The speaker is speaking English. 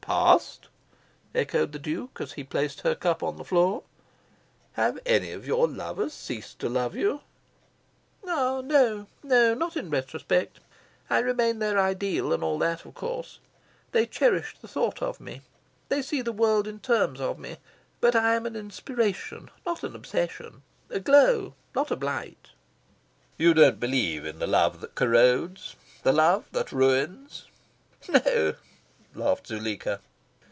"Past?" echoed the Duke, as he placed her cup on the floor. "Have any of your lovers ceased to love you?" "Ah no, no; not in retrospect. I remain their ideal, and all that, of course. They cherish the thought of me. They see the world in terms of me. But I am an inspiration, not an obsession; a glow, not a blight." "You don't believe in the love that corrodes, the love that ruins?" "No," laughed Zuleika.